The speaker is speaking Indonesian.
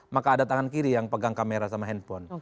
maka ada tangan kiri yang pegang kamera sama handphone